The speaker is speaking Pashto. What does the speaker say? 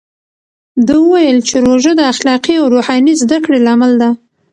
ده وویل چې روژه د اخلاقي او روحاني زده کړې لامل ده.